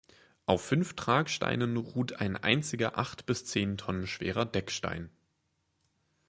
Auf fünf Tragsteinen ruht ein einziger acht bis zehn Tonnen schwerer Deckstein.